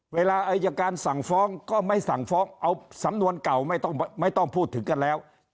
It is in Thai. เวลาอายการสั่งฟ้องก็ไม่สั่งฟ้องเอาสำนวนเก่าไม่ต้องพูดถึงกันแล้ว